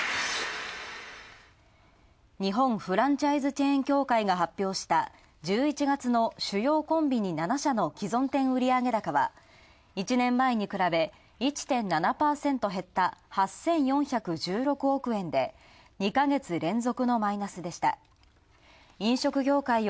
日本フランチャイズチェーン協会が発表した１１月の主要コンビニ７社の既存店売上高は、１年前に比べ、１．７％減った８４１６億円で、２ヶ月連続のマイナスでした。